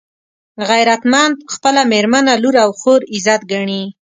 غیرتمند خپله مېرمنه، لور او خور عزت ګڼي